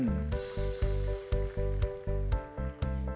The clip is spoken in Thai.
เราฟิตกีเว่นในนี้เพราะว่า